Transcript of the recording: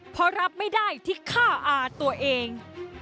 เพราะรับไม่ได้ที่ฆ่าอาตัวเอง